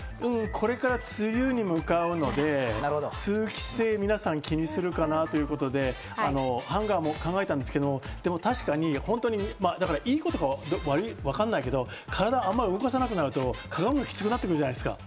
これから梅雨に向かうので皆さん通気性を気にするかなということで、ハンガーも考えたんですけど、確かに本当に体をあんまり動かさなくなると、かがむのきつくなってくるじゃないですか。